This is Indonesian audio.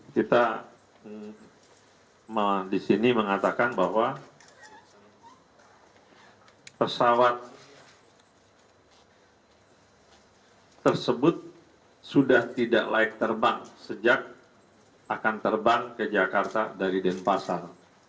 kita di sini mengatakan bahwa pesawat tersebut sudah tidak layak terbang sejak akan terbang ke jakarta dari denpasar